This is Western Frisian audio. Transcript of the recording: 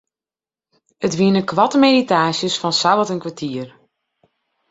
It wiene koarte meditaasjes fan sawat in kertier.